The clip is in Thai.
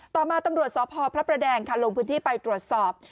ต่อมาตำรวจสพพระประแดงค่ะลงพื้นที่ไปตรวจสอบ